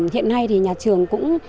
hiện nay nhà trường